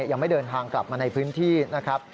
ยังไม่เดินทางกลับมาในพื้นที่นะครับ